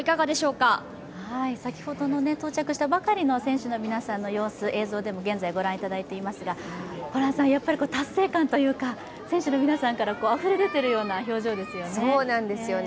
先ほどの到着したばかりの選手の皆さんの様子、映像でも現在、ご覧いただいていますがホランさん、やっぱり達成感というか選手の皆さんからあふれ出ているような表情ですよね。